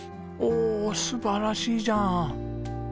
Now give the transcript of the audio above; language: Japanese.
おお素晴らしいじゃん！